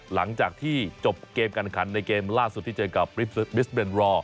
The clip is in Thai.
หลังจากที่จบเกมการขันในเกมล่าสุดที่เจอกับบิสเบนรอ